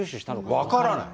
分からない。